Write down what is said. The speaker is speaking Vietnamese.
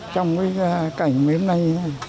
trong cái cảnh mấy hôm nay